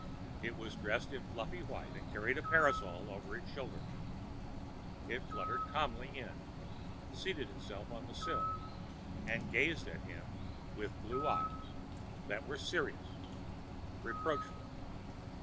It was dressed in fluffy white, and carried a parasol over its shoulders. It fluttered calmly in, seated itself on the sill, and gazed at him with blue eyes that were serious, reproachful.